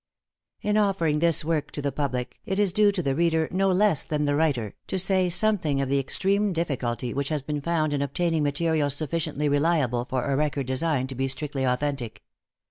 |In offering this work to the public, it is due to the reader no less than the writer, to say something of the extreme difficulty which has been found in obtaining materials sufficiently reliable for a record designed to be strictly authentic.